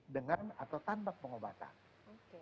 dengan atau tanpa pengobatan